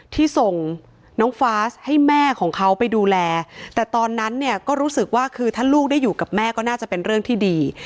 ที่ส่งน้องฟาสให้แม่ของเขาไปดูแลแต่ตอนนั้นเนี่ยก็รู้สึกว่าคือถ้าลูกได้อยู่กับแม่ก็น่าจะเป็นเรื่องที่ดี